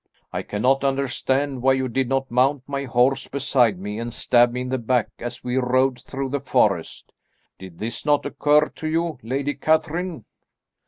I cannot understand why you did not mount my horse beside me and stab me in the back as we rode through the forest. Did this not occur to you, Lady Catherine?"